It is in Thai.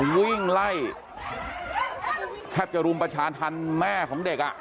วิ่งไล่แทบจะรุมประชาธรรมแม่ของเด็กอ่ะ